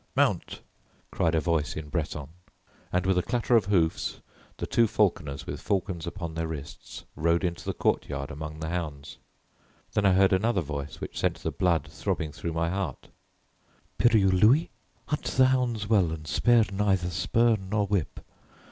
"Mount!" cried a voice in Breton, and with a clatter of hoofs the two falconers, with falcons upon their wrists, rode into the courtyard among the hounds. Then I heard another voice which sent the blood throbbing through my heart: "Piriou Louis, hunt the hounds well and spare neither spur nor whip.